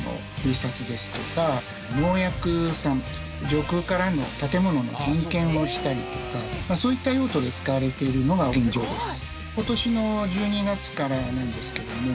上空からの建物の点検をしたりとかそういった用途で使われているのが現状です。